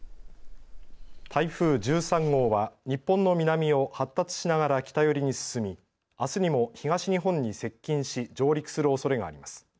台風１３号は日本の南を発達しながら北寄りに進みあすにも東日本に接近し上陸するおそれがあります。